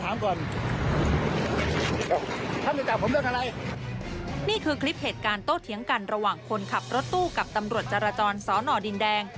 นี่คือคลิปเหตุการณ์โต้เถียงกันระหว่างคนขับรถตู้กับตำรวจจราจรสอนอดินแดง